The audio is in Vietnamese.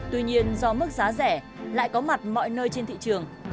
tuy nhiên do mức giá rẻ lại có mặt mọi nơi trên thị trường